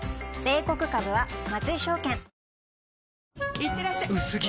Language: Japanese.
いってらっしゃ薄着！